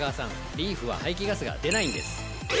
リーフは排気ガスが出ないんです！